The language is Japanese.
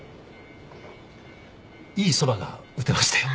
いいそばが打てましたよ。